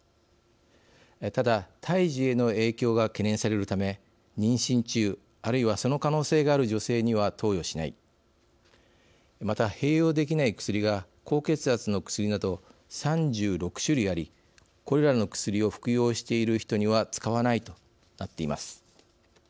ただ胎児への影響が懸念されるため妊娠中、あるいはその可能性がある女性には投与しないまた併用できない薬が高血圧の薬など３６種類ありこれらの薬を服用している人には使わないとなっています。